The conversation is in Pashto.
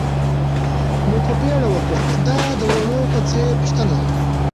مو په بېړه وکړئ، دا د وړو په څېر پوښتنه.